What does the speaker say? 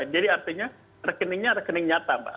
jadi artinya rekeningnya rekening nyata pak